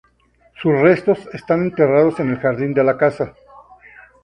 Sus restos están enterrados en el jardín de la casa.